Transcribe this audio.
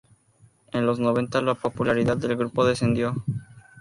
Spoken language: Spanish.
En los noventa la popularidad del grupo descendió.